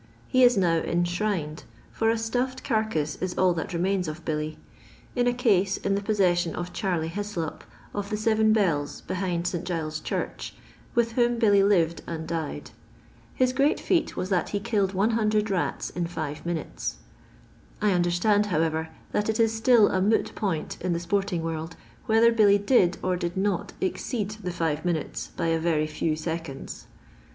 He is now enshrined — ^fiir a stuflfed carcase is all that remains of Billy — in a case in the possession of Charley Hodop of the Seven Bells behind St. Giles's Church, with whom Billy lived and died. His great feat was that he killed 100 rau in five minutes. I ander stand, however, that it is still a moot point in the sporting worid, whether Billy did or did not exceed the five minutes by a very few seeonds.